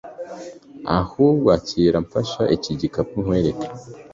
ahubwo akira mfasha iki gikapu nkwereke